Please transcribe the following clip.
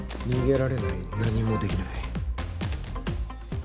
「逃げられない何もできない」